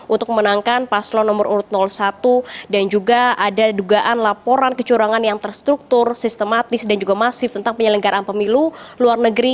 untuk memenangkan paslon nomor urut satu dan juga ada dugaan laporan kecurangan yang terstruktur sistematis dan juga masif tentang penyelenggaraan pemilu luar negeri